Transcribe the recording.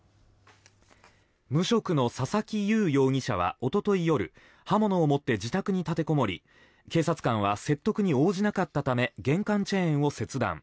無職の佐々木祐容疑者はおととい夜刃物を持って自宅に立てこもり警察官は説得に応じなかったため玄関チェーンを切断。